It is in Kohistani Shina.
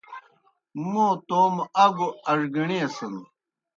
موں توموْ اگوْ اڙگِݨِیسَن۔